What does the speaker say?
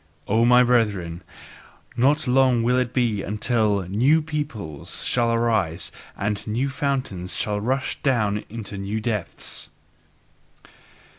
O my brethren, not long will it be until NEW PEOPLES shall arise and new fountains shall rush down into new depths.